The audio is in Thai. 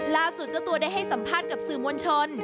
ล่าสุดจะตัวได้ให้สัมภาษณ์กับสื่อมวลชน